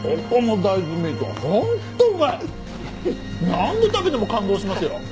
何度食べても感動しますよ！